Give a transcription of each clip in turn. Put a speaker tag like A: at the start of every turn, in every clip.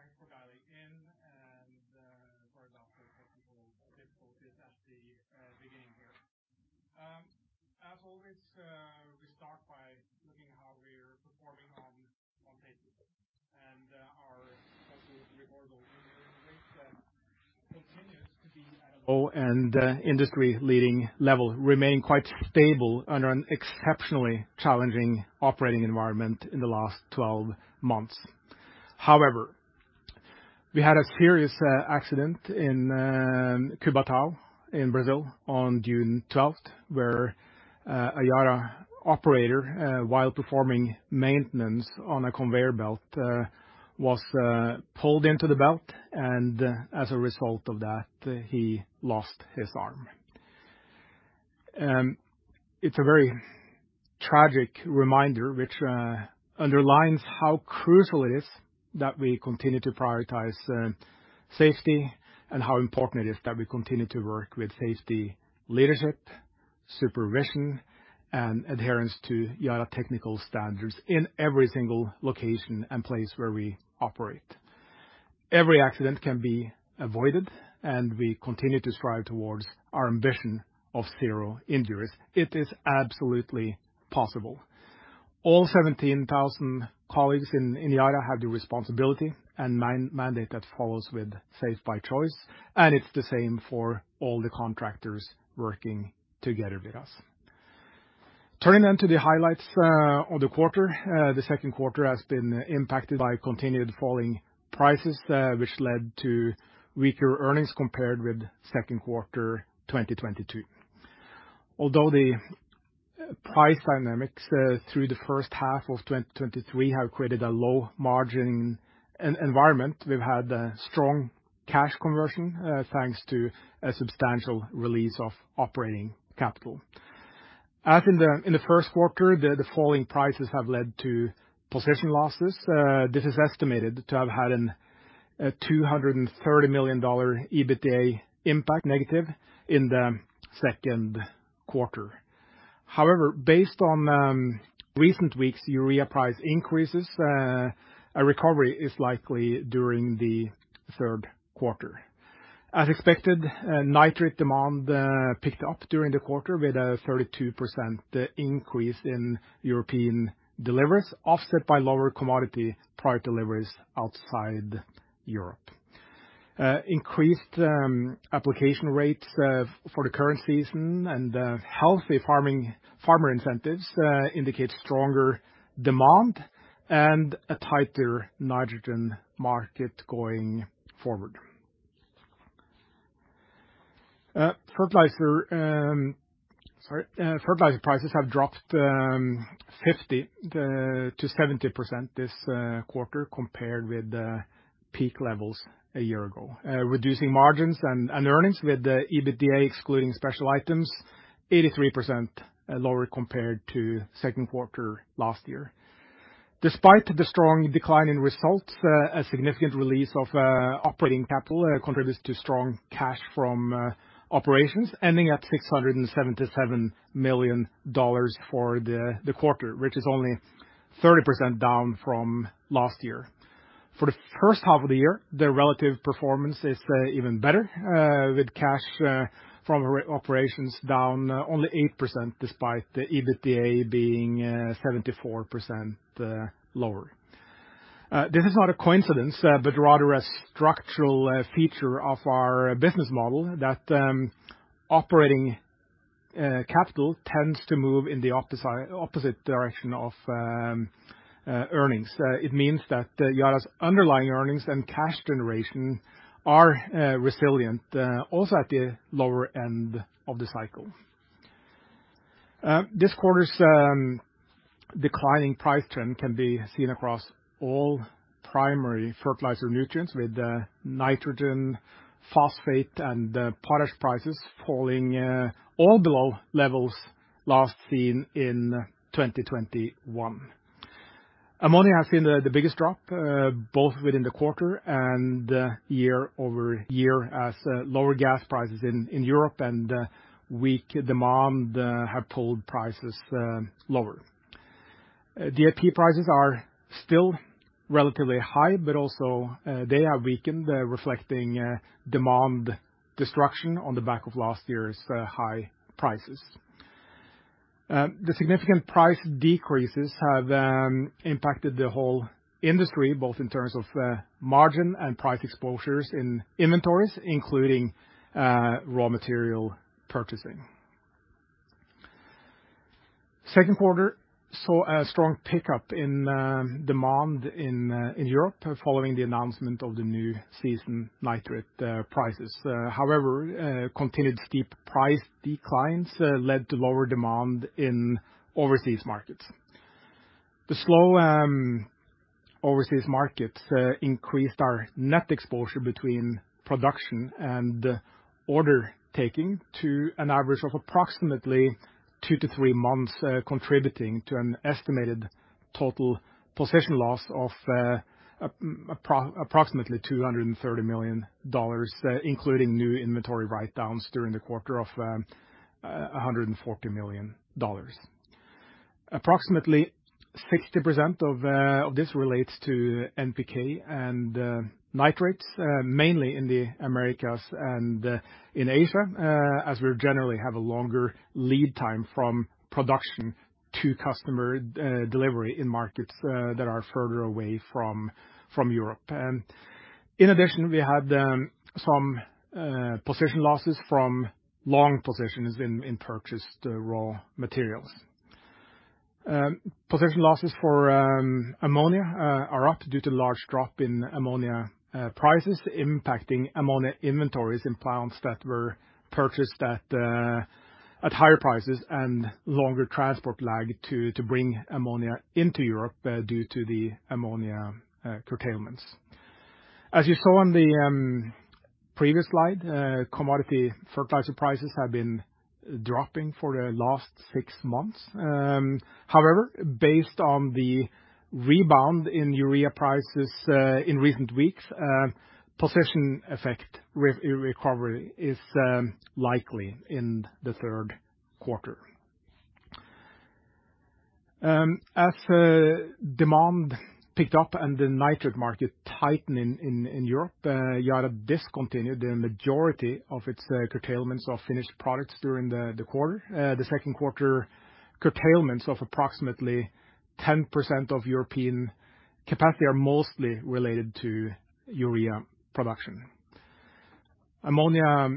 A: Good evening. Thank you for dialing in, and for adapting to difficulties at the beginning here. As always, we start by looking at how we're performing on safety, and our safety record continues to be industry-leading level remain quite stable under an exceptionally challenging operating environment in the last 12 months. However, we had a serious accident in Cubatão in Brazil on June 12th, where a Yara operator, while performing maintenance on a conveyor belt, was pulled into the belt, and as a result of that, he lost his arm. It's a very tragic reminder, which underlines how crucial it is that we continue to prioritize safety and how important it is that we continue to work with safety leadership, supervision, and adherence to Yara technical standards in every single location and place where we operate. Every accident can be avoided. We continue to strive towards our ambition of zero injuries. It is absolutely possible. All 17,000 colleagues in Yara have the responsibility and mandate that follows with Safe by Choice. It's the same for all the contractors working together with us. Turning to the highlights of the quarter. The second quarter has been impacted by continued falling prices, which led to weaker earnings compared with second quarter 2022. Although the price dynamics through the first half of 2023 have created a low margin environment, we've had a strong cash conversion thanks to a substantial release of operating capital. As in the first quarter, the falling prices have led to position losses. This is estimated to have had an $230 million EBITDA impact, negative, in the second quarter. However, based on recent weeks, urea price increases, a recovery is likely during the third quarter. As expected, nitrate demand picked up during the quarter, with a 32% increase in European deliveries, offset by lower commodity product deliveries outside Europe. Increased application rates for the current season and healthy farmer incentives indicate stronger demand and a tighter nitrogen market going forward. Fertilizer, sorry, fertilizer prices have dropped 50%-70% this quarter, compared with the peak levels a year ago, reducing margins and earnings, with the EBITDA excluding special items, 83% lower compared to second quarter last year. Despite the strong decline in results, a significant release of operating capital contributes to strong cash from operations, ending at $677 million for the quarter, which is only 30% down from last year. For the first half of the year, the relative performance is even better, with cash from operations down only 8%, despite the EBITDA being 74% lower. This is not a coincidence, but rather a structural feature of our business model, that operating capital tends to move in the opposite direction of earnings. It means that Yara's underlying earnings and cash generation are resilient, also at the lower end of the cycle. This quarter's declining price trend can be seen across all primary fertilizer nutrients, with the nitrogen, phosphate, and potash prices falling all below levels last seen in 2021. Ammonia has seen the biggest drop, both within the quarter and year-over-year, as lower gas prices in Europe and weak demand have pulled prices lower. DAP prices are still relatively high, but also, they have weakened, reflecting demand destruction on the back of last year's high prices. The significant price decreases have impacted the whole industry, both in terms of margin and price exposures in inventories, including raw material purchasing. Second quarter saw a strong pickup in demand in Europe, following the announcement of the new season nitrate prices. However, continued steep price declines led to lower demand in overseas markets. The slow overseas markets increased our net exposure between production and order-taking to an average of approximately two to three months, contributing to an estimated total position loss of approximately $230 million, including new inventory write-downs during the quarter of $140 million. approximately 60% of this relates to NPK and nitrates, mainly in the Americas and in Asia, as we generally have a longer lead time from production to customer delivery in markets that are further away from Europe. In addition, we had some position losses from long positions in purchased raw materials. Position losses for ammonia are up due to large drop in ammonia prices, impacting ammonia inventories in plants that were purchased at higher prices and longer transport lag to bring ammonia into Europe due to the ammonia curtailments. You saw on the previous slide, commodity fertilizer prices have been dropping for the last six months. However, based on the rebound in urea prices, in recent weeks, position effect recovery is likely in the third quarter. As demand picked up and the nitrate market tightened in Europe, Yara discontinued the majority of its curtailments of finished products during the quarter. The second quarter curtailments of approximately 10% of European capacity are mostly related to urea production. Ammonia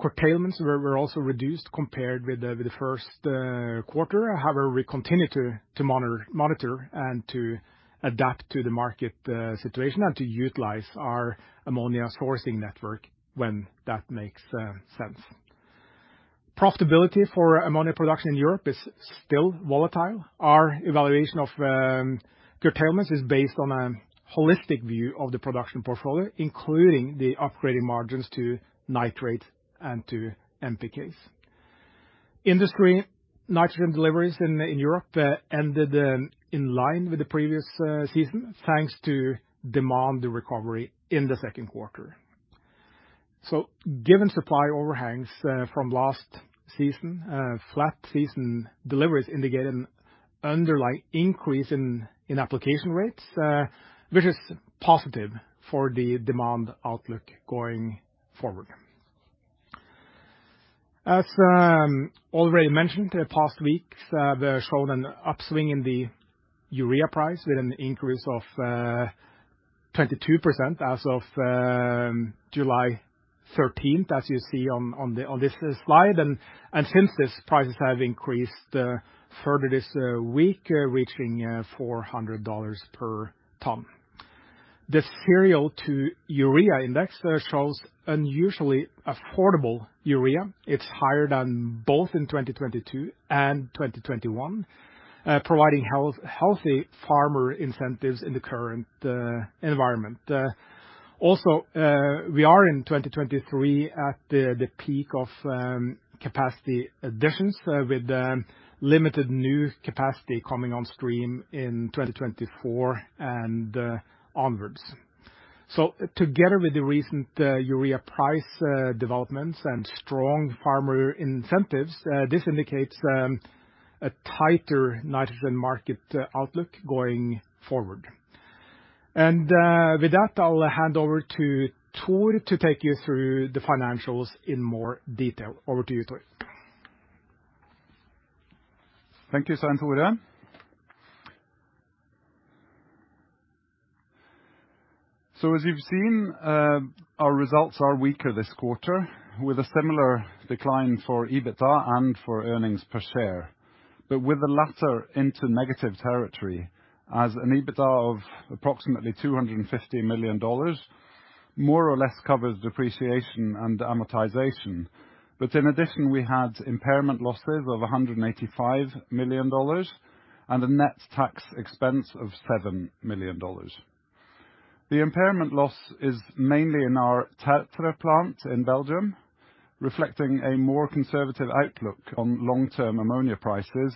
A: curtailments were also reduced compared with the first quarter. However, we continue to monitor and to adapt to the market situation and to utilize our ammonia sourcing network when that makes sense. Profitability for ammonia production in Europe is still volatile. Our evaluation of curtailments is based on a holistic view of the production portfolio, including the upgrading margins to nitrate and to NPKs. Industry nitrogen deliveries in Europe ended in line with the previous season, thanks to demand recovery in the second quarter. Given supply overhangs from last season, flat season deliveries indicate an underlying increase in application rates, which is positive for the demand outlook going forward. As already mentioned, the past weeks have shown an upswing in the urea price, with an increase of 22% as of July 13th, as you see on this slide. Since this, prices have increased further this week, reaching $400 per ton. The cereal to urea index shows unusually affordable urea. It's higher than both in 2022 and 2021, providing healthy farmer incentives in the current environment. Also, we are in 2023 at the peak of capacity additions, with limited new capacity coming on stream in 2024 and onwards. Together with the recent urea price developments and strong farmer incentives, this indicates a tighter nitrogen market outlook going forward. With that, I'll hand over to Thor to take you through the financials in more detail. Over to you, Thor.
B: Thank you, Svein Tore. As you've seen, our results are weaker this quarter, with a similar decline for EBITDA and for earnings per share, but with the latter into negative territory, as an EBITDA of approximately $250 million more or less covers depreciation and amortization. In addition, we had impairment losses of $185 million, and a net tax expense of $7 million. The impairment loss is mainly in our Tertre plant in Belgium, reflecting a more conservative outlook on long-term ammonia prices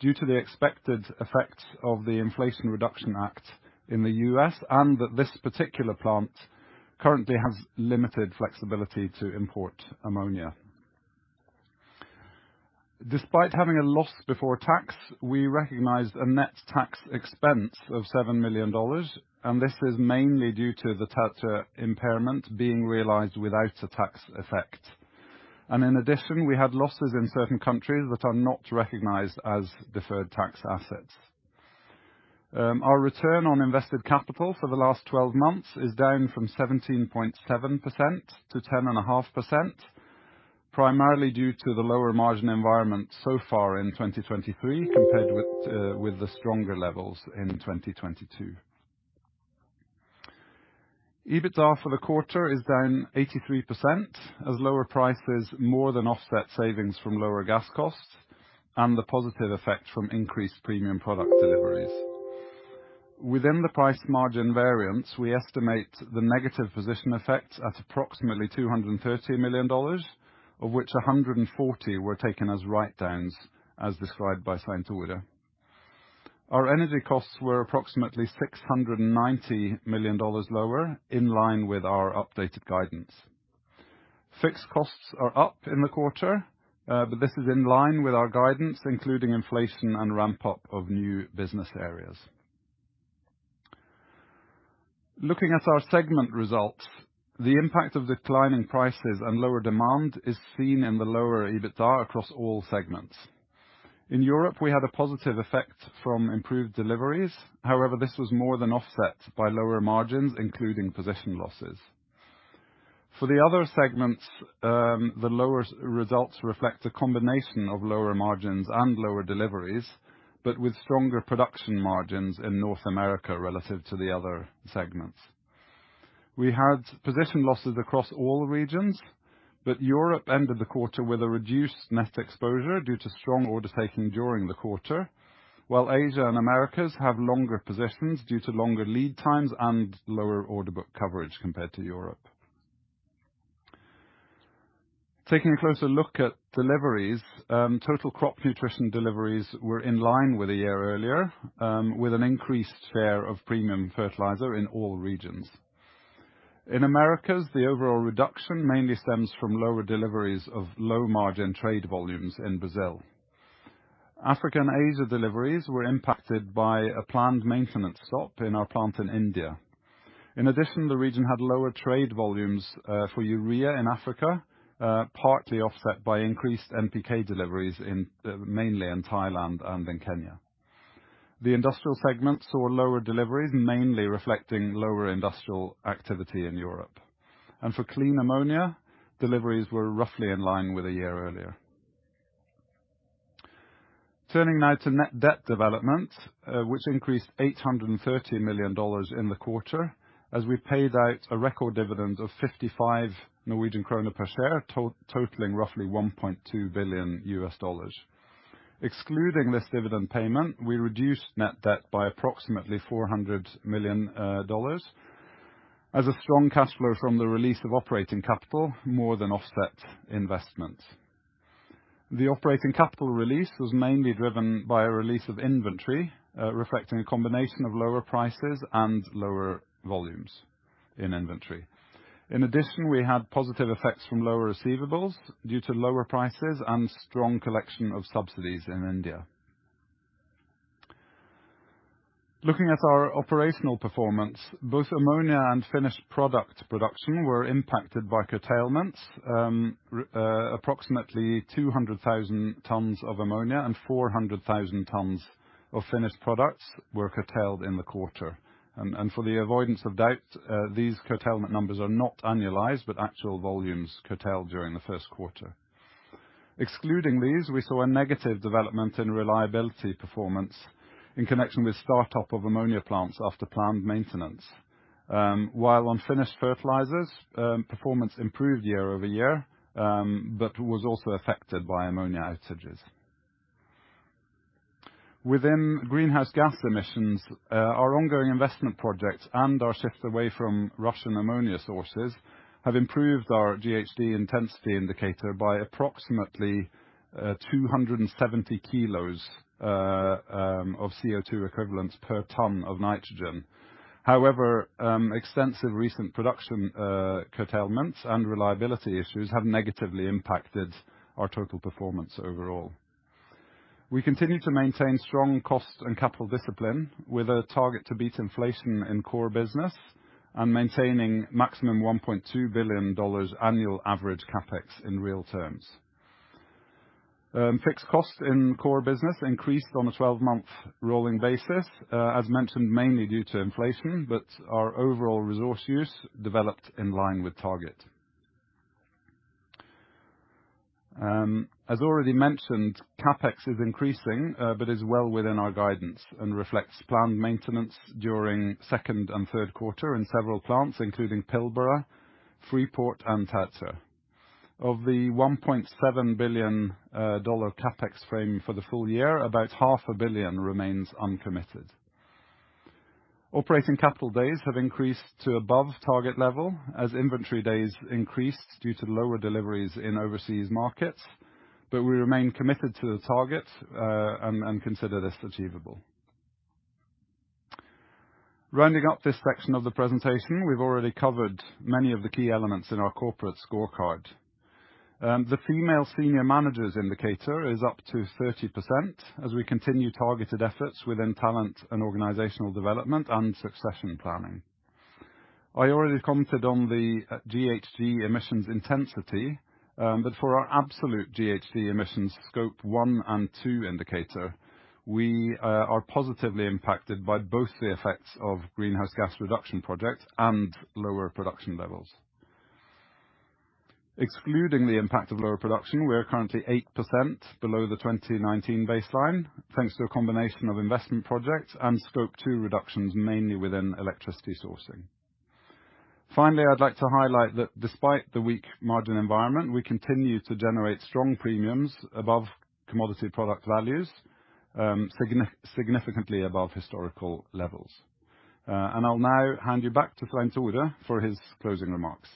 B: due to the expected effects of the Inflation Reduction Act in the U.S., and that this particular plant currently has limited flexibility to import ammonia. Despite having a loss before tax, we recognized a net tax expense of $7 million, and this is mainly due to the Tertre impairment being realized without a tax effect. In addition, we had losses in certain countries that are not recognized as deferred tax assets. Our Return on Invested Capital for the last 12 months is down from 17.7%-10.5%, primarily due to the lower margin environment so far in 2023, compared with the stronger levels in 2022. EBITDA for the quarter is down 83%, as lower prices more than offset savings from lower gas costs and the positive effect from increased premium product deliveries. Within the price margin variance, we estimate the negative position effect at approximately $230 million, of which $140 million were taken as write-downs, as described by Svein Tore. Our energy costs were approximately $690 million lower, in line with our updated guidance. Fixed costs are up in the quarter, this is in line with our guidance, including inflation and ramp up of new business areas. Looking at our segment results, the impact of declining prices and lower demand is seen in the lower EBITDA across all segments. In Europe, we had a positive effect from improved deliveries. This was more than offset by lower margins, including position losses. For the other segments, the lower results reflect a combination of lower margins and lower deliveries, but with stronger production margins in North America relative to the other segments. We had position losses across all regions, Europe ended the quarter with a reduced net exposure due to strong order taking during the quarter, while Asia and Americas have longer positions due to longer lead times and lower order book coverage compared to Europe. Taking a closer look at deliveries, total crop nutrition deliveries were in line with a year earlier, with an increased share of premium fertilizer in all regions. In Americas, the overall reduction mainly stems from lower deliveries of low margin trade volumes in Brazil. African Asia deliveries were impacted by a planned maintenance stop in our plant in India. In addition, the region had lower trade volumes for urea in Africa, partly offset by increased NPK deliveries in mainly in Thailand and in Kenya. The industrial segment saw lower deliveries, mainly reflecting lower industrial activity in Europe. For Clean Ammonia, deliveries were roughly in line with a year earlier. Turning now to net debt development, which increased $830 million in the quarter, as we paid out a record dividend of 55 Norwegian kroner per share, totaling roughly $1.2 billion. Excluding this dividend payment, we reduced net debt by approximately $400 million. A strong cash flow from the release of operating capital, more than offset investment. The operating capital release was mainly driven by a release of inventory, reflecting a combination of lower prices and lower volumes in inventory. In addition, we had positive effects from lower receivables due to lower prices and strong collection of subsidies in India. Looking at our operational performance, both ammonia and finished product production were impacted by curtailments. Approximately 200,000 tons of ammonia and 400,000 tons of finished products were curtailed in the quarter. For the avoidance of doubt, these curtailment numbers are not annualized, but actual volumes curtailed during the first quarter. Excluding these, we saw a negative development in reliability performance in connection with start-up of ammonia plants after planned maintenance. While on finished fertilizers, performance improved year-over-year, but was also affected by ammonia outages. Within greenhouse gas emissions, our ongoing investment projects and our shift away from Russian ammonia sources have improved our GHG emissions intensity indicator by approximately 270 kg of CO₂ equivalents per ton of nitrogen. However, extensive recent production curtailments and reliability issues have negatively impacted our total performance overall. We continue to maintain strong cost and capital discipline with a target to beat inflation in core business and maintaining maximum $1.2 billion annual average CapEx in real terms. Fixed costs in core business increased on a 12-month rolling basis, as mentioned, mainly due to inflation, but our overall resource use developed in line with target. As already mentioned, CapEx is increasing, but is well within our guidance and reflects planned maintenance during second and third quarter in several plants, including Pilbara, Freeport, and Tata. Of the $1.7 billion CapEx frame for the full year, about 500 million remains uncommitted. Operating capital days have increased to above target level as inventory days increased due to lower deliveries in overseas markets, but we remain committed to the target and consider this achievable. Rounding up this section of the presentation, we've already covered many of the key elements in our corporate scorecard. The female senior managers indicator is up to 30% as we continue targeted efforts within talent and organizational development and succession planning. I already commented on the GHG emissions intensity, but for our absolute GHG emissions, Scope one and two indicator, we are positively impacted by both the effects of greenhouse gas reduction projects and lower production levels. Excluding the impact of lower production, we are currently 8% below the 2019 baseline, thanks to a combination of investment projects and Scope two reductions, mainly within electricity sourcing. Finally, I'd like to highlight that despite the weak margin environment, we continue to generate strong premiums above commodity product values, significantly above historical levels. I'll now hand you back to Svein Tore for his closing remarks.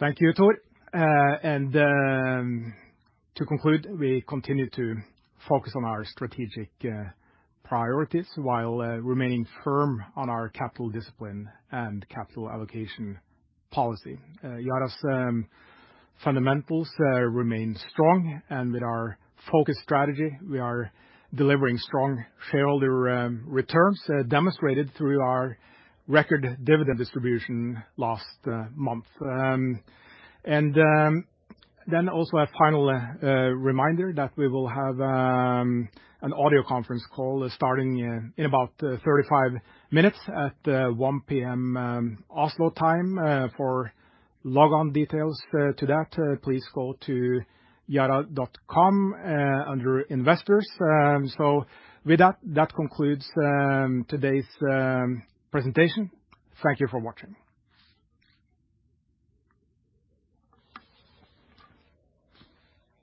A: Thank you, Thor. To conclude, we continue to focus on our strategic priorities while remaining firm on our capital discipline and capital allocation policy. Yara's fundamentals remain strong, and with our focus strategy, we are delivering strong shareholder returns demonstrated through our record dividend distribution last month. Also a final reminder that we will have an audio conference call starting in about 35 minutes at 1:00 P.M. Oslo time. For logon details to that, please go to yara.com under Investors. With that concludes today's presentation. Thank you for watching.